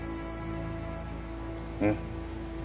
うん。